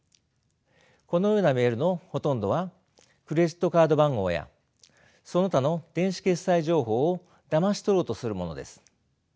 このようなメールのほとんどはクレジットカード番号やその他の電子決済情報をだまし取ろうとするものです。